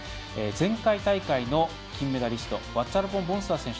前回大会の金メダリストワッチャラポン・ボンサー選手